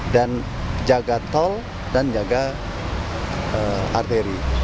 dan jaga tol dan jaga arteri